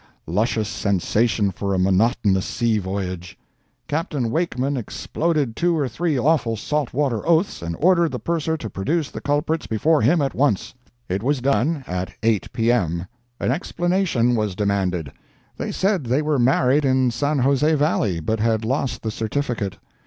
Luscious sensation for a monotonous sea voyage! Capt. Wakeman exploded two or three awful salt water oaths and ordered the Purser to produce the culprits before him at once. It was done, at 8 P.M. An explanation was demanded. They said they were married in San Jose Valley, but had lost the certificate.